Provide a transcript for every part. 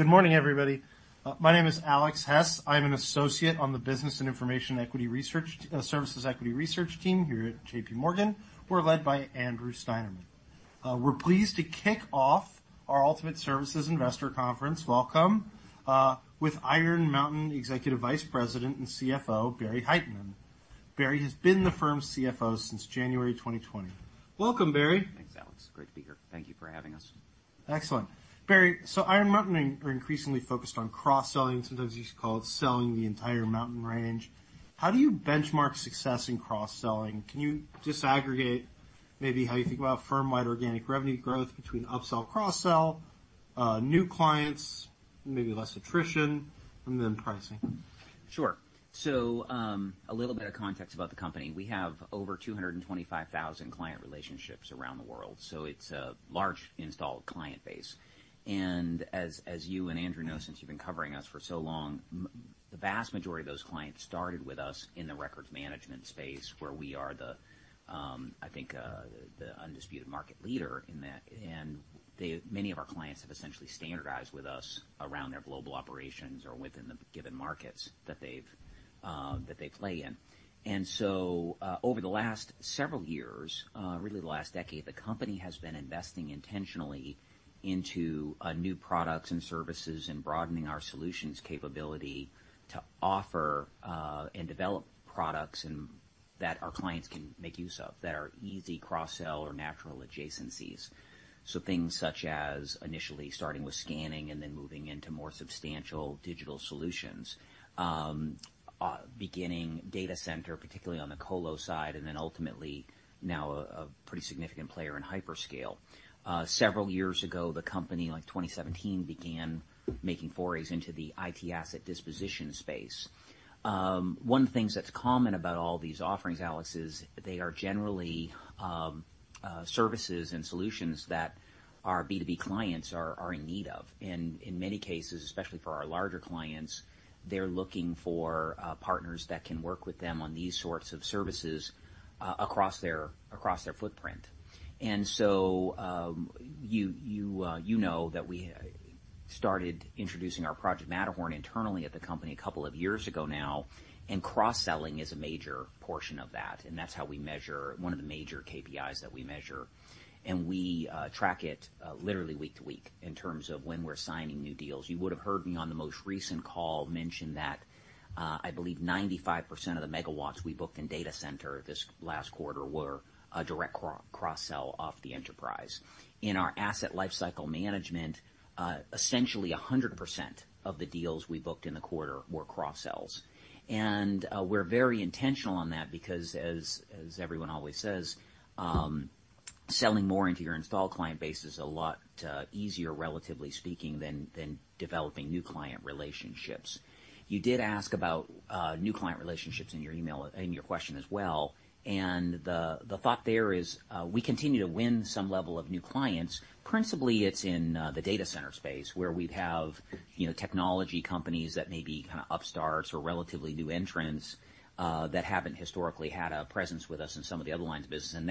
Good morning, everybody. My name is Alex Hess. I'm an associate on the Business and Information Services Equity Research team here at JPMorgan. We're led by Andrew Steinerman. We're pleased to kick off our Ultimate Services Investor Conference, welcome, with Iron Mountain Executive Vice President and CFO, Barry Hytinen. Barry has been the firm's CFO since January 2020. Welcome, Barry. Thanks, Alex. Great to be here. Thank you for having us. Excellent. Barry, so Iron Mountain are increasingly focused on cross-selling, sometimes you call it selling the entire mountain range. How do you benchmark success in cross-selling? Can you disaggregate maybe how you think about firm-wide organic revenue growth between upsell, cross-sell, new clients, maybe less attrition, and then pricing? Sure. So, a little bit of context about the company. We have over 225,000 client relationships around the world, so it's a large installed client base. And as you and Andrew know, since you've been covering us for so long, the vast majority of those clients started with us in the records management space, where we are the, I think, the undisputed market leader in that. And they—many of our clients have essentially standardized with us around their global operations or within the given markets that they've that they play in. And so, over the last several years, really the last decade, the company has been investing intentionally into new products and services, and broadening our solutions capability to offer and develop products and... that our clients can make use of, that are easy cross-sell or natural adjacencies. So things such as initially starting with scanning, and then moving into more substantial digital solutions. Beginning data center, particularly on the colo side, and then ultimately now a pretty significant player in hyperscale. Several years ago, the company, like 2017, began making forays into the IT asset disposition space. One of the things that's common about all these offerings, Alex, is they are generally services and solutions that our B2B clients are in need of. And in many cases, especially for our larger clients, they're looking for partners that can work with them on these sorts of services across their footprint. You know that we started introducing our Project Matterhorn internally at the company a couple of years ago now, and cross-selling is a major portion of that, and that's how we measure one of the major KPIs that we measure. We track it literally week to week in terms of when we're signing new deals. You would have heard me on the most recent call mention that I believe 95% of the megawatts we booked in data center this last quarter were a direct cross-sell off the enterprise. In our Asset Lifecycle Management, essentially 100% of the deals we booked in the quarter were cross-sells. We're very intentional on that because as everyone always says, selling more into your installed client base is a lot easier, relatively speaking, than developing new client relationships. You did ask about new client relationships in your email, in your question as well, and the thought there is we continue to win some level of new clients. Principally, it's in the data center space, where we'd have, you know, technology companies that may be kind of upstarts or relatively new entrants that haven't historically had a presence with us in some of the other lines of business.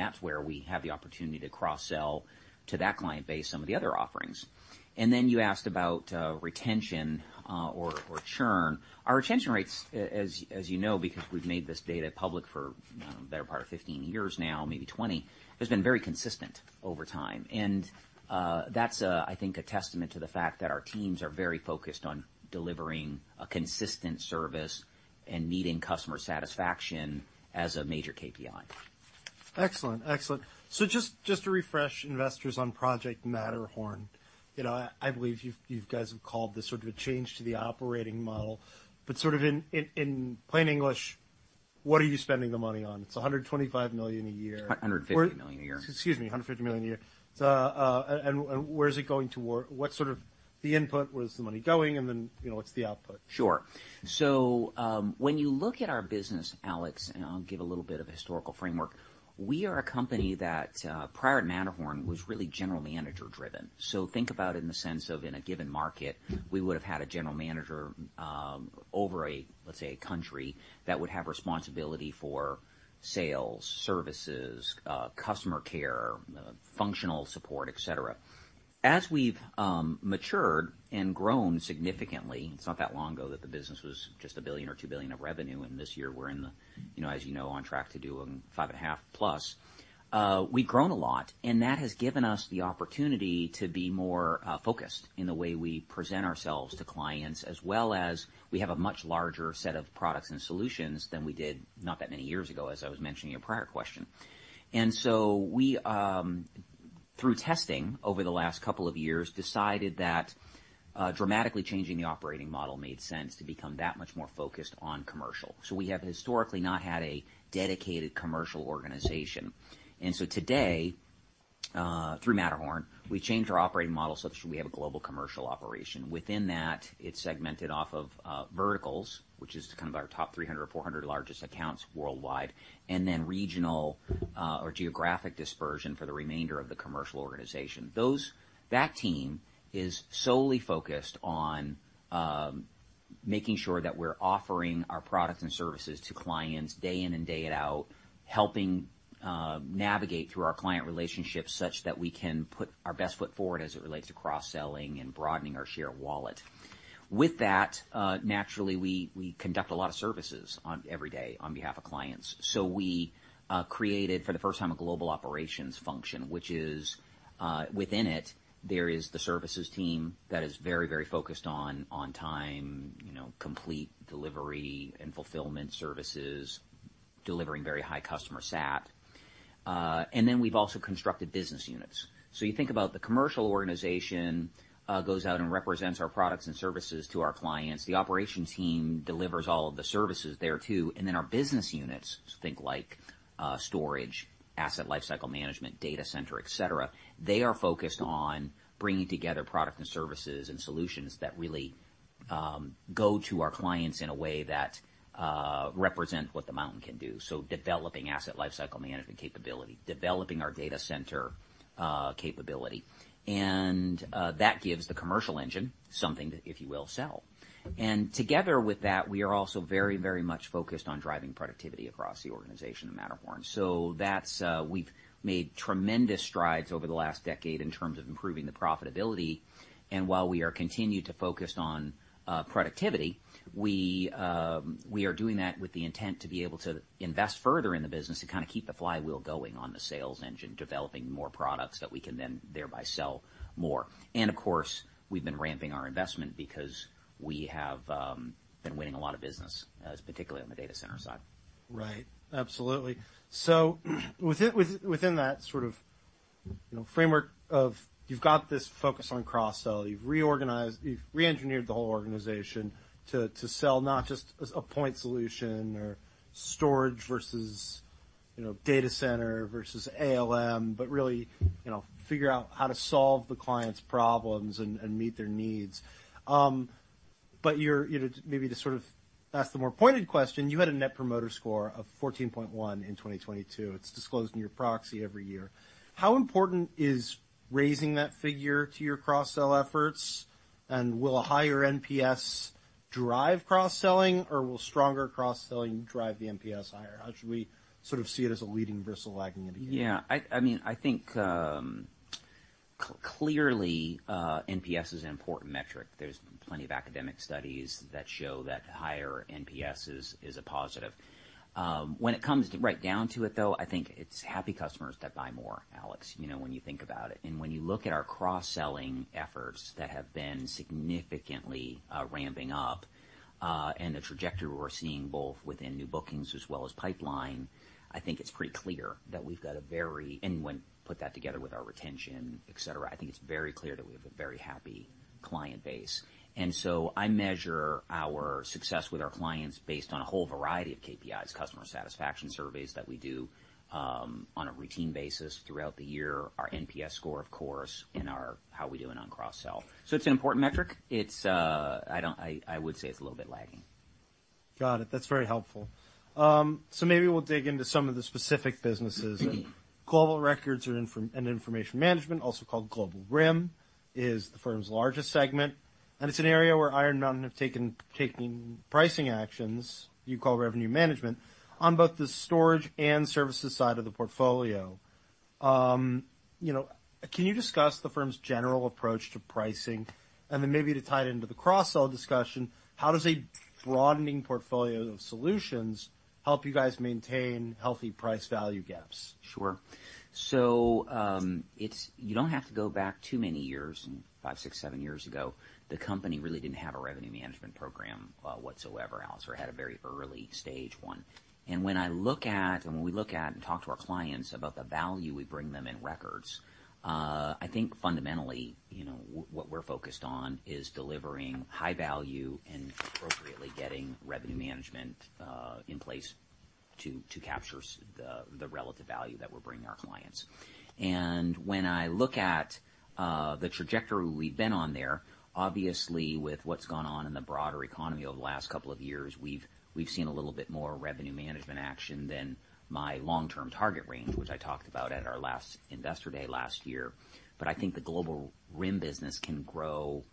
And then you asked about retention or churn. Our retention rates, as you know, because we've made this data public for the better part of 15 years now, maybe 20, has been very consistent over time. That's a, I think, a testament to the fact that our teams are very focused on delivering a consistent service and meeting customer satisfaction as a major KPI. Excellent, excellent. So just to refresh investors on Project Matterhorn, you know, I believe you've, you guys have called this sort of a change to the operating model, but sort of in plain English, what are you spending the money on? It's $125 million a year. $150 million a year. Excuse me, $150 million a year. And where is it going toward? What sort of the input, where is the money going? And then, you know, what's the output? Sure. So, when you look at our business, Alex, and I'll give a little bit of historical framework, we are a company that, prior to Matterhorn, was really general manager driven. So think about it in the sense of, in a given market, we would have had a general manager, over a, let's say, a country, that would have responsibility for sales, services, customer care, functional support, et cetera. As we've matured and grown significantly, it's not that long ago that the business was just $1 billion or $2 billion of revenue, and this year we're in the, you know, as you know, on track to do $5.5+. We've grown a lot, and that has given us the opportunity to be more focused in the way we present ourselves to clients, as well as we have a much larger set of products and solutions than we did not that many years ago, as I was mentioning in your prior question. And so we, through testing over the last couple of years, decided that dramatically changing the operating model made sense, to become that much more focused on commercial. So we have historically not had a dedicated commercial organization. And so today, through Matterhorn, we changed our operating model such that we have a global commercial operation. Within that, it's segmented off of verticals, which is kind of our top 300 or 400 largest accounts worldwide, and then regional or geographic dispersion for the remainder of the commercial organization. That team is solely focused on making sure that we're offering our products and services to clients day in and day out, helping navigate through our client relationships such that we can put our best foot forward as it relates to cross-selling and broadening our share of wallet. With that, naturally, we conduct a lot of services on every day on behalf of clients. So we created, for the first time, a global operations function, which is within it, there is the services team that is very, very focused on time, you know, complete delivery and fulfillment services, delivering very high customer sat. And then we've also constructed business units. So you think about the commercial organization goes out and represents our products and services to our clients. The operations team delivers all of the services there, too. And then our business units, so think like, storage, Asset Lifecycle Management, Data Center, et cetera, they are focused on bringing together product and services and solutions that really go to our clients in a way that represent what the Mountain can do. So developing Asset Lifecycle Management capability, developing our Data Center capability, and that gives the commercial engine something to, if you will, sell. And together with that, we are also very, very much focused on driving productivity across the organization of Matterhorn. So that's... We've made tremendous strides over the last decade in terms of improving the profitability, and while we are continued to focus on, productivity, we, we are doing that with the intent to be able to invest further in the business to kind of keep the flywheel going on the sales engine, developing more products that we can then thereby sell more. And of course, we've been ramping our investment because we have, been winning a lot of business, particularly on the data center side. Right. Absolutely. So within that sort of, you know, framework of you've got this focus on cross-sell, you've reorganized, you've reengineered the whole organization to sell not just as a point solution or storage versus, you know, data center versus ALM, but really, you know, figure out how to solve the client's problems and meet their needs. But you're, you know, maybe to sort of ask the more pointed question, you had a Net Promoter Score of 14.1 in 2022. It's disclosed in your proxy every year. How important is raising that figure to your cross-sell efforts? And will a higher NPS drive cross-selling, or will stronger cross-selling drive the NPS higher? How should we sort of see it as a leading versus a lagging indicator? Yeah, I mean, I think clearly NPS is an important metric. There's plenty of academic studies that show that higher NPS is a positive. When it comes right down to it, though, I think it's happy customers that buy more, Alex, you know, when you think about it. And when you look at our cross-selling efforts that have been significantly ramping up, and the trajectory we're seeing both within new bookings as well as pipeline, I think it's pretty clear that we've got a very... And when put that together with our retention, et cetera, I think it's very clear that we have a very happy client base. And so I measure our success with our clients based on a whole variety of KPIs, customer satisfaction surveys that we do on a routine basis throughout the year, our NPS score, of course, and our how we're doing on cross-sell. So it's an important metric. It's. I don't. I would say it's a little bit lagging. Got it. That's very helpful. So maybe we'll dig into some of the specific businesses. Global Records and Information Management, also called Global RIM, is the firm's largest segment, and it's an area where Iron Mountain have taken pricing actions you call revenue management, on both the storage and services side of the portfolio. You know, can you discuss the firm's general approach to pricing? And then maybe to tie it into the cross-sell discussion, how does a broadening portfolio of solutions help you guys maintain healthy price value gaps? Sure. So, it's you don't have to go back too many years, and five, six, seven years ago, the company really didn't have a revenue management program, whatsoever, Alex, or had a very early stage one. And when I look at, and when we look at and talk to our clients about the value we bring them in records, I think fundamentally, you know, what we're focused on is delivering high value and appropriately getting revenue management in place to capture the relative value that we're bringing our clients. And when I look at the trajectory we've been on there, obviously, with what's gone on in the broader economy over the last couple of years, we've seen a little bit more revenue management action than my long-term target range, which I talked about at our last Investor Day last year. But I think the Global RIM business can grow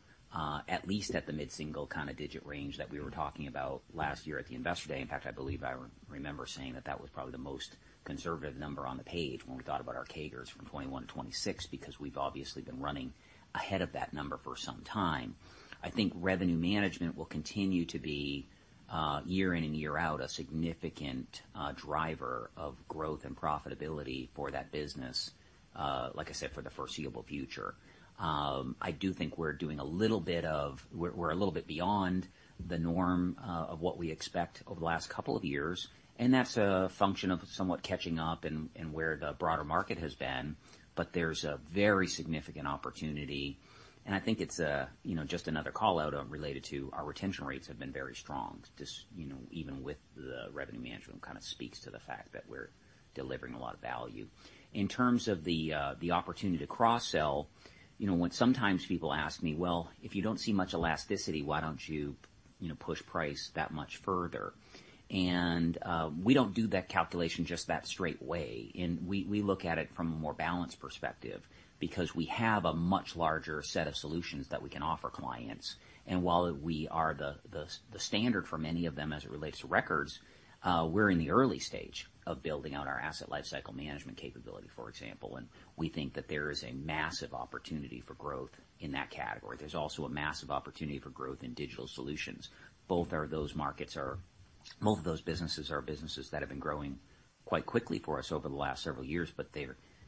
at least at the mid-single kind of digit range that we were talking about last year at the Investor Day. In fact, I believe I re-remember saying that that was probably the most conservative number on the page when we thought about our CAGRs from 2021-2026, because we've obviously been running ahead of that number for some time. I think revenue management will continue to be year in and year out a significant driver of growth and profitability for that business, like I said, for the foreseeable future. I do think we're doing a little bit of... We're a little bit beyond the norm of what we expect over the last couple of years, and that's a function of somewhat catching up in where the broader market has been, but there's a very significant opportunity, and I think it's a, you know, just another call-out related to our retention rates have been very strong. This, you know, even with the revenue management, kind of speaks to the fact that we're delivering a lot of value. In terms of the opportunity to cross-sell, you know, when sometimes people ask me: Well, if you don't see much elasticity, why don't you, you know, push price that much further. We don't do that calculation just that straight way, and we look at it from a more balanced perspective because we have a much larger set of solutions that we can offer clients. While we are the standard for many of them as it relates to records, we're in the early stage of building out our asset lifecycle management capability, for example, and we think that there is a massive opportunity for growth in that category. There's also a massive opportunity for growth in digital solutions. Both of those businesses are businesses that have been growing quite quickly for us over the last several years, but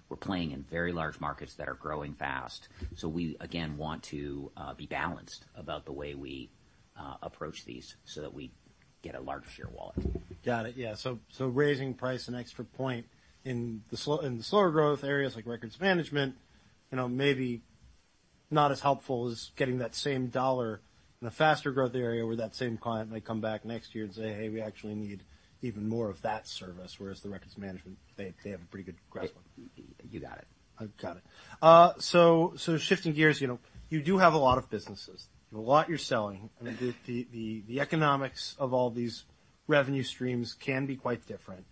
we're playing in very large markets that are growing fast. So we, again, want to be balanced about the way we approach these so that we get a larger share wallet. Got it. Yeah. So, so raising price an extra point in the slow, in the slower growth areas, like records management, you know, maybe not as helpful as getting that same dollar in a faster growth area, where that same client may come back next year and say, "Hey, we actually need even more of that service," whereas the records management, they, they have a pretty good grasp on it. You got it. I've got it. So, shifting gears, you know, you do have a lot of businesses, a lot you're selling. Mm-hmm. I mean, the economics of all these revenue streams can be quite different.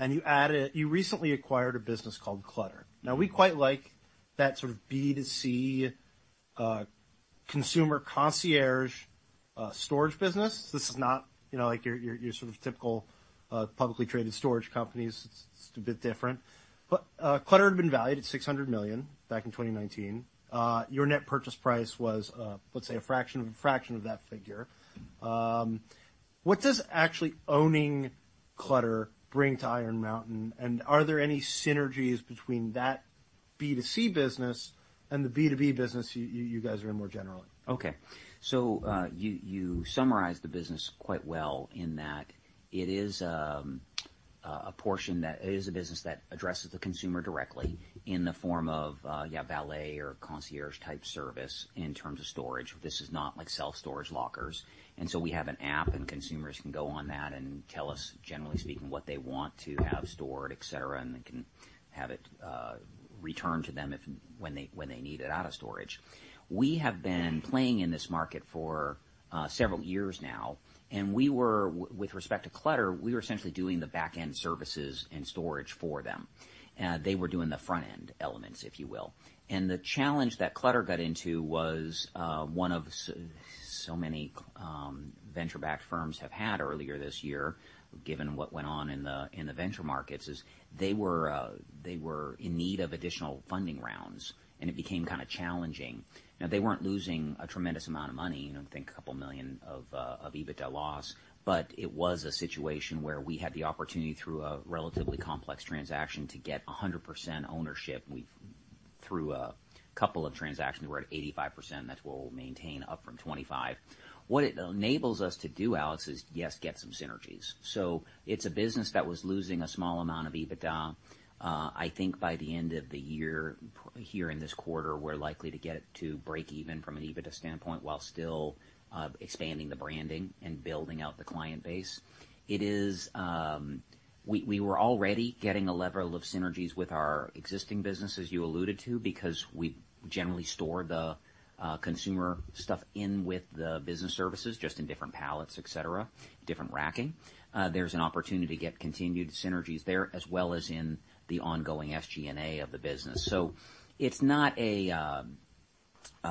You recently acquired a business called Clutter. Now, we quite like that sort of B2C consumer concierge storage business. This is not, you know, like your sort of typical publicly traded storage companies. It's a bit different. But Clutter had been valued at $600 million back in 2019. Your net purchase price was, let's say, a fraction of a fraction of that figure. What does actually owning Clutter bring to Iron Mountain, and are there any synergies between that B2C business and the B2B business you guys are in, more generally? Okay. So you summarized the business quite well in that it is a business that addresses the consumer directly in the form of valet or concierge-type service in terms of storage. This is not like self-storage lockers, and so we have an app, and consumers can go on that and tell us, generally speaking, what they want to have stored, et cetera, and they can have it returned to them if, when they need it out of storage. We have been playing in this market for several years now, and we were with respect to Clutter, we were essentially doing the back-end services and storage for them. They were doing the front-end elements, if you will. The challenge that Clutter got into was, one of so many venture-backed firms have had earlier this year, given what went on in the venture markets, is they were, they were in need of additional funding rounds, and it became kind of challenging. Now, they weren't losing a tremendous amount of money, you know, I think $2 million of EBITDA loss. But it was a situation where we had the opportunity, through a relatively complex transaction, to get 100% ownership. We've through a couple of transactions, we're at 85%. That's what we'll maintain, up from 25. What it enables us to do, Alex, is, yes, get some synergies. So it's a business that was losing a small amount of EBITDA. I think by the end of the year, here in this quarter, we're likely to get it to break even from an EBITDA standpoint, while still expanding the branding and building out the client base. It is. We were already getting a level of synergies with our existing business, as you alluded to, because we generally store the consumer stuff in with the business services, just in different pallets, et cetera, different racking. There's an opportunity to get continued synergies there, as well as in the ongoing SG&A of the business. So it's not a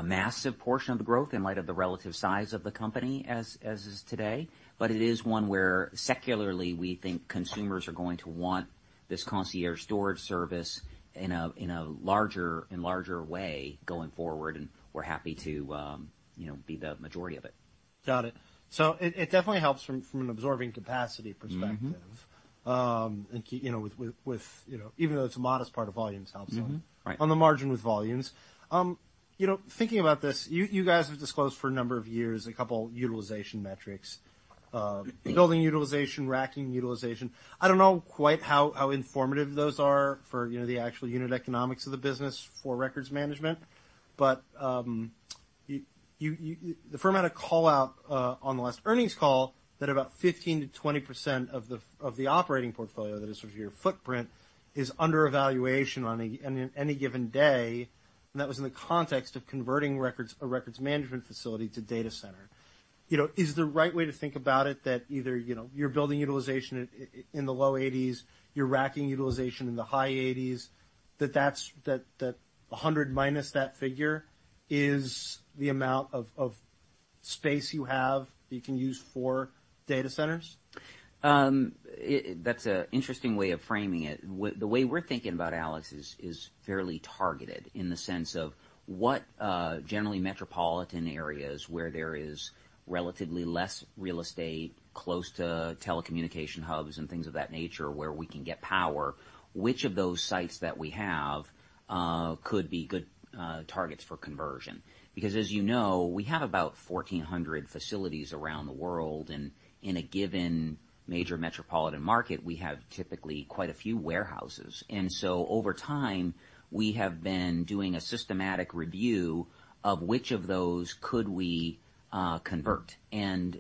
massive portion of the growth in light of the relative size of the company as is today, but it is one where secularly, we think consumers are going to want this concierge storage service in a larger and larger way going forward, and we're happy to, you know, be the majority of it. Got it. So it definitely helps from an absorbing capacity perspective- Mm-hmm... and, you know, with, you know, even though it's a modest part of volumes, helps on- Mm-hmm. Right... on the margin with volumes. You know, thinking about this, you, you guys have disclosed for a number of years a couple utilization metrics. Mm-hmm... building utilization, racking utilization. I don't know quite how informative those are for, you know, the actual unit economics of the business for records management, but you... The firm had a call-out on the last earnings call that about 15%-20% of the operating portfolio, that is, of your footprint, is under evaluation on a, in any given day, and that was in the context of converting records, a records management facility to data center. You know, is the right way to think about it that either, you know, your building utilization in the low 80s, your racking utilization in the high 80s, that that's 100- that figure is the amount of space you have that you can use for data centers? That's an interesting way of framing it. The way we're thinking about it, Alex, is fairly targeted in the sense of what generally metropolitan areas, where there is relatively less real estate, close to telecommunication hubs and things of that nature, where we can get power, which of those sites that we have could be good targets for conversion? Because, as you know, we have about 1,400 facilities around the world, and in a given major metropolitan market, we have typically quite a few warehouses. And so over time, we have been doing a systematic review of which of those could we convert. And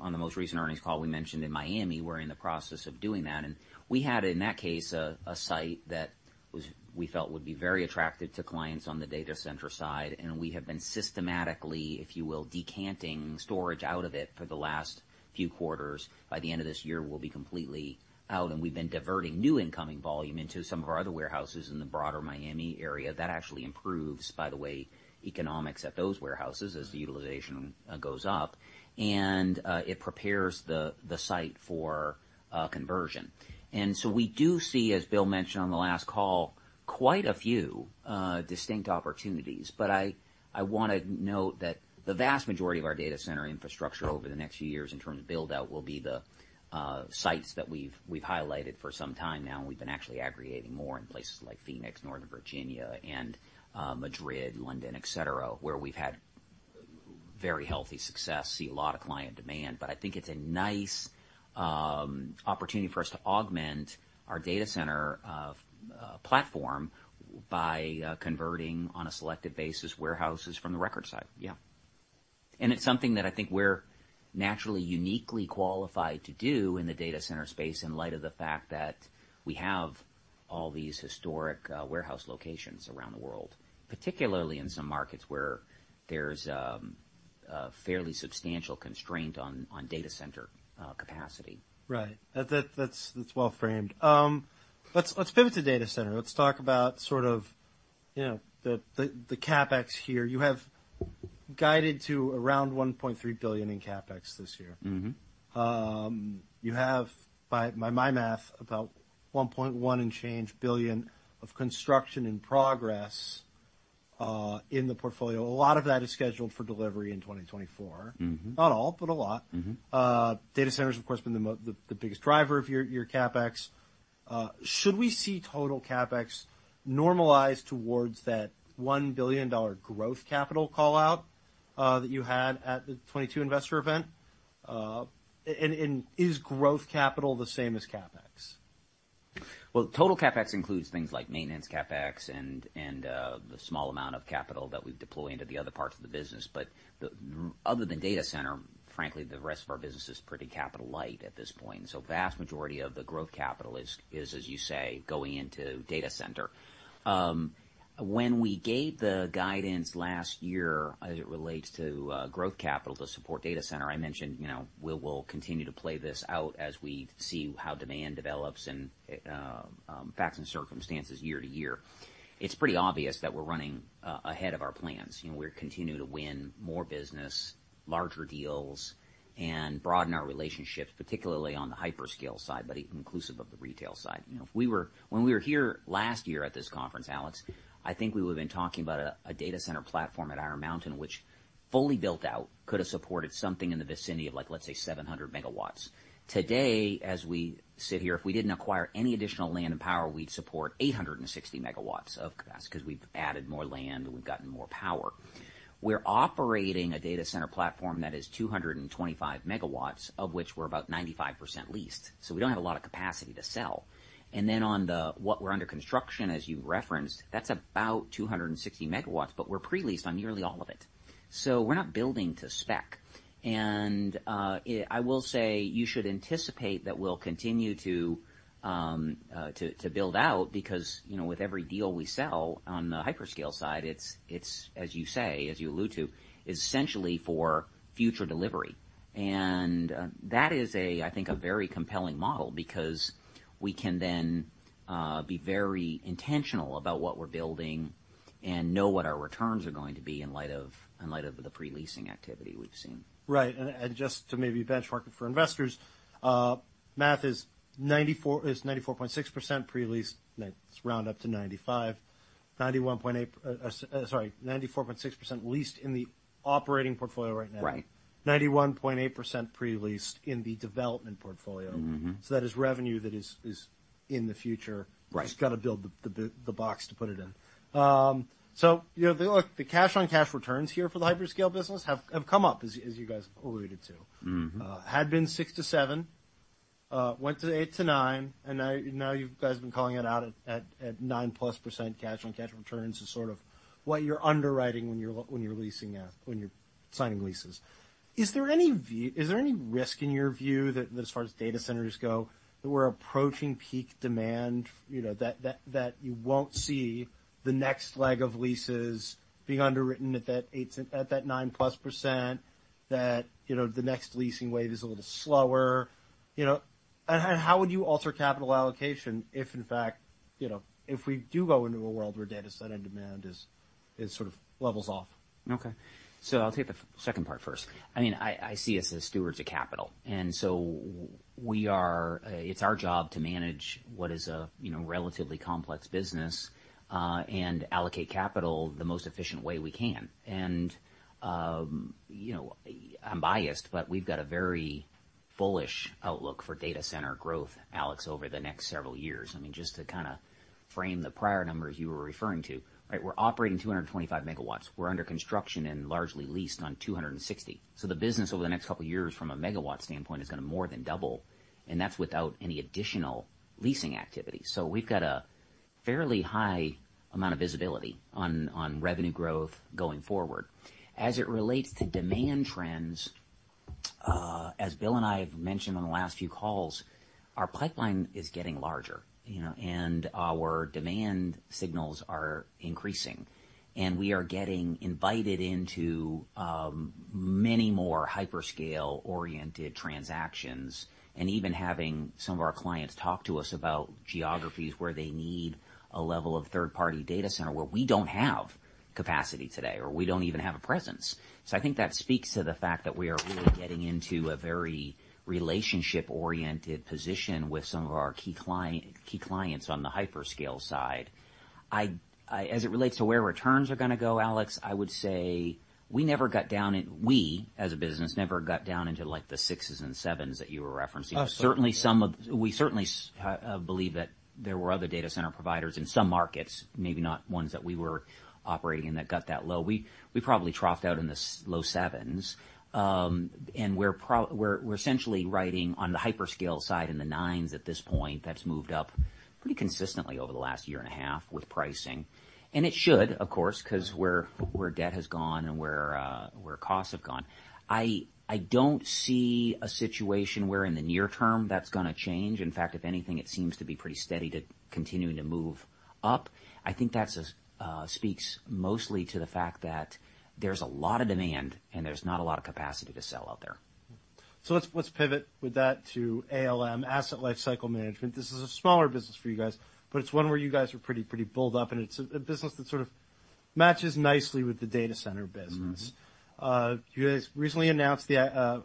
on the most recent earnings call, we mentioned in Miami, we're in the process of doing that. And we had, in that case, a site that... was, we felt would be very attractive to clients on the data center side, and we have been systematically, if you will, decanting storage out of it for the last few quarters. By the end of this year, we'll be completely out, and we've been diverting new incoming volume into some of our other warehouses in the broader Miami area. That actually improves, by the way, economics at those warehouses as the utilization goes up, and it prepares the site for conversion. And so we do see, as Bill mentioned on the last call, quite a few distinct opportunities. But I want to note that the vast majority of our data center infrastructure over the next few years, in terms of build-out, will be the sites that we've highlighted for some time now, and we've been actually aggregating more in places like Phoenix, Northern Virginia, and Madrid, London, et cetera, where we've had very healthy success, see a lot of client demand. But I think it's a nice opportunity for us to augment our data center of platform by converting, on a selective basis, warehouses from the record side. Yeah. And it's something that I think we're naturally, uniquely qualified to do in the data center space, in light of the fact that we have all these historic warehouse locations around the world, particularly in some markets where there's a fairly substantial constraint on data center capacity. Right. That's well framed. Let's pivot to data center. Let's talk about sort of, you know, the CapEx here. You have guided to around $1.3 billion in CapEx this year. Mm-hmm. You have, by my math, about $1.1+ billion of construction in progress in the portfolio. A lot of that is scheduled for delivery in 2024. Mm-hmm. Not all, but a lot. Mm-hmm. Data centers, of course, have been the biggest driver of your CapEx. Should we see total CapEx normalize towards that $1 billion growth capital call-out that you had at the 2022 investor event? And is growth capital the same as CapEx? Well, total CapEx includes things like maintenance, CapEx, and the small amount of capital that we deploy into the other parts of the business. But other than data center, frankly, the rest of our business is pretty capital light at this point, so vast majority of the growth capital is, as you say, going into data center. When we gave the guidance last year, as it relates to growth capital to support data center, I mentioned, you know, we will continue to play this out as we see how demand develops and facts and circumstances year to year. It's pretty obvious that we're running ahead of our plans. You know, we're continuing to win more business, larger deals, and broaden our relationships, particularly on the hyperscale side, but even inclusive of the retail side. You know, if we were, when we were here last year at this conference, Alex, I think we would have been talking about a data center platform at Iron Mountain, which, fully built out, could have supported something in the vicinity of, like, let's say, 700 MW. Today, as we sit here, if we didn't acquire any additional land and power, we'd support 860 MW of capacity because we've added more land and we've gotten more power. We're operating a data center platform that is 225 MW, of which we're about 95% leased, so we don't have a lot of capacity to sell. And then on the what we're under construction, as you referenced, that's about 260 MW, but we're pre-leased on nearly all of it, so we're not building to spec. And, it... I will say, you should anticipate that we'll continue to build out, because, you know, with every deal we sell on the hyperscale side, it's as you say, as you allude to, essentially for future delivery. That is, I think, a very compelling model because we can then be very intentional about what we're building and know what our returns are going to be in light of the pre-leasing activity we've seen. Right. And just to maybe benchmark it for investors, math is 94%, is 94.6% pre-leased. Let's round up to 95. 91.8, sorry, 94.6% leased in the operating portfolio right now. Right. 91.8% pre-leased in the development portfolio. Mm-hmm. That is revenue that is in the future. Right. Just got to build the box to put it in. So, you know, the look, the cash-on-cash returns here for the Hyperscale business have come up, as you guys alluded to. Mm-hmm. Had been six-seven, went to eight-nine, and now, now you guys have been calling it out at, at, at 9%+ cash-on-cash returns is sort of what you're underwriting when you're leasing a... When you're signing leases. Is there any view- is there any risk, in your view, that, as far as data centers go, that we're approaching peak demand, you know, that, that, that you won't see the next leg of leases being underwritten at that 8, at that 9%+, that, you know, the next leasing wave is a little slower? You know, and how, how would you alter capital allocation if, in fact, you know, if we do go into a world where data center demand is, is sort of levels off? Okay. So I'll take the second part first. I mean, I see us as stewards of capital, and so we are—it's our job to manage what is a, you know, relatively complex business, and allocate capital the most efficient way we can. And, you know, I'm biased, but we've got a very bullish outlook for data center growth, Alex, over the next several years. I mean, just to kind of frame the prior numbers you were referring to, right? We're operating 225 MW. We're under construction and largely leased on 260. So the business over the next couple of years, from a megawatt standpoint, is gonna more than double, and that's without any additional leasing activity. So we've got a fairly high amount of visibility on revenue growth going forward. As it relates to demand trends-... As Bill and I have mentioned on the last few calls, our pipeline is getting larger, you know, and our demand signals are increasing, and we are getting invited into many more hyperscale-oriented transactions, and even having some of our clients talk to us about geographies where they need a level of third-party data center where we don't have capacity today, or we don't even have a presence. So I think that speaks to the fact that we are really getting into a very relationship-oriented position with some of our key client, key clients on the hyperscale side. I, I—as it relates to where returns are gonna go, Alex, I would say we never got down—we, as a business, never got down into, like, the sixes and sevens that you were referencing. Oh. Certainly, some of, we certainly believe that there were other data center providers in some markets, maybe not ones that we were operating in, that got that low. We probably troughed out in the low sevens. And we're essentially riding on the hyperscale side in the nines at this point. That's moved up pretty consistently over the last year and a half with pricing. And it should, of course, 'cause where debt has gone and where costs have gone. I don't see a situation where in the near term that's gonna change. In fact, if anything, it seems to be pretty steady to continuing to move up. I think that speaks mostly to the fact that there's a lot of demand and there's not a lot of capacity to sell out there. So let's pivot with that to ALM, Asset Lifecycle Management. This is a smaller business for you guys, but it's one where you guys are pretty bulled up, and it's a business that sort of matches nicely with the data center business. Mm-hmm. You guys recently announced the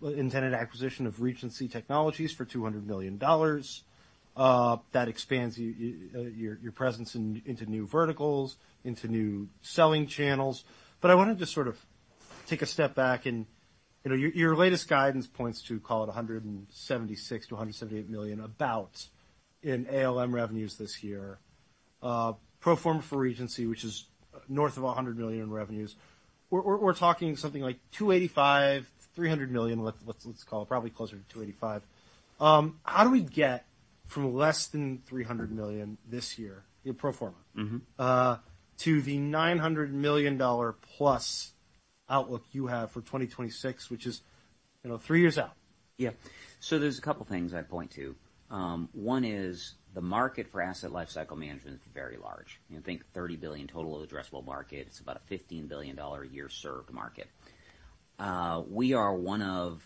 intended acquisition of Regency Technologies for $200 million. That expands your presence into new verticals, into new selling channels. But I wanted to sort of take a step back and, you know, your latest guidance points to, call it, $176 million to $178 million, about, in ALM revenues this year. Pro forma for Regency, which is north of $100 million in revenues, we're talking something like $285 to $300 million, let's call it, probably closer to $285. How do we get from less than $300 million this year in pro forma- Mm-hmm... to the $900 million plus outlook you have for 2026, which is, you know, three years out? Yeah. So there's a couple things I'd point to. One is, the market for Asset Lifecycle Management is very large. You think $30 billion total addressable market, it's about a $15 billion a year served market. We are one of,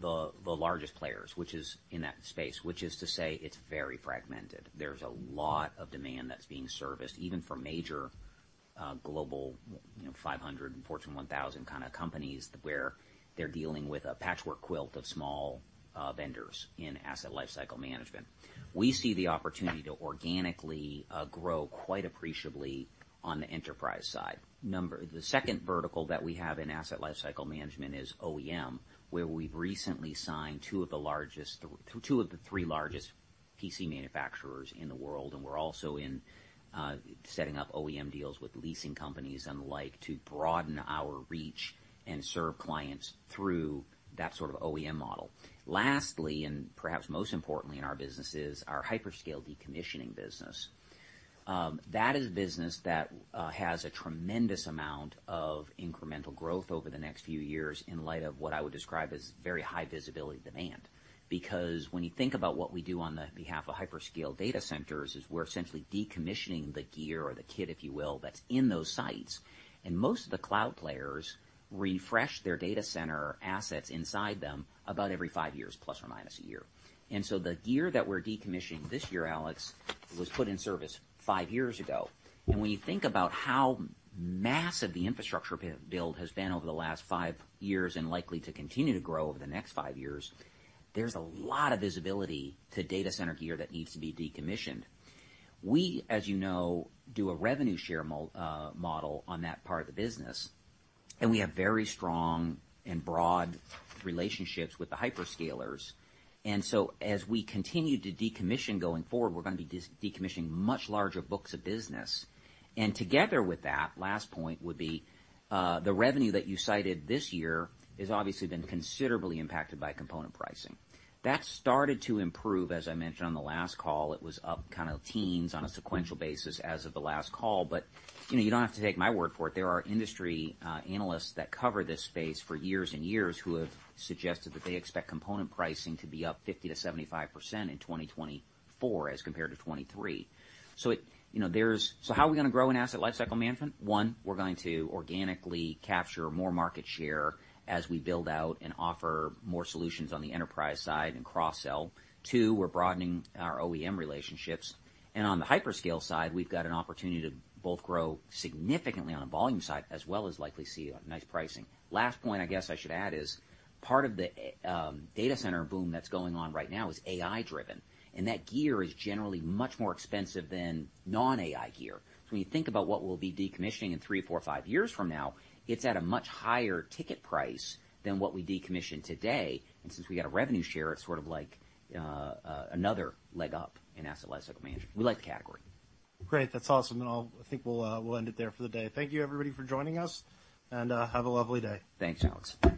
the, the largest players, which is in that space, which is to say it's very fragmented. There's a lot of demand that's being serviced, even for major, global, you know, 500 Fortune 1000 kind of companies, where they're dealing with a patchwork quilt of small, vendors in Asset Lifecycle Management. We see the opportunity to organically, grow quite appreciably on the enterprise side. Number... The second vertical that we have in Asset Lifecycle Management is OEM, where we've recently signed two of the three largest PC manufacturers in the world, and we're also in setting up OEM deals with leasing companies and the like, to broaden our reach and serve clients through that sort of OEM model. Lastly, and perhaps most importantly in our businesses, our hyperscale decommissioning business. That is a business that has a tremendous amount of incremental growth over the next few years, in light of what I would describe as very high visibility demand. Because when you think about what we do on the behalf of Hyperscale data centers, is we're essentially decommissioning the gear or the kit, if you will, that's in those sites, and most of the cloud players refresh their data center assets inside them about every five years, plus or minus a year. And so the gear that we're decommissioning this year, Alex, was put in service five years ago. And when you think about how massive the infrastructure build has been over the last five years, and likely to continue to grow over the next five years, there's a lot of visibility to data center gear that needs to be decommissioned. We, as you know, do a revenue share model on that part of the business, and we have very strong and broad relationships with the Hyperscalers. And so as we continue to decommission going forward, we're gonna be decommissioning much larger books of business. And together with that last point would be the revenue that you cited this year has obviously been considerably impacted by component pricing. That started to improve, as I mentioned on the last call. It was up kind of teens on a sequential basis as of the last call, but, you know, you don't have to take my word for it. There are industry analysts that covered this space for years and years, who have suggested that they expect component pricing to be up 50%-75% in 2024, as compared to 2023. So it, you know, there's... So how are we gonna grow in Asset Lifecycle Management? One, we're going to organically capture more market share as we build out and offer more solutions on the enterprise side and cross-sell. Two, we're broadening our OEM relationships, and on the hyperscale side, we've got an opportunity to both grow significantly on the volume side, as well as likely see a nice pricing. Last point, I guess I should add, is part of the data center boom that's going on right now is AI driven, and that gear is generally much more expensive than non-AI gear. So when you think about what we'll be decommissioning in three, four, five years from now, it's at a much higher ticket price than what we decommission today, and since we got a revenue share, it's sort of like, another leg up in asset lifecycle management. We like the category. Great! That's awesome. And I'll, I think we'll end it there for the day. Thank you, everybody, for joining us, and have a lovely day. Thanks, Alex.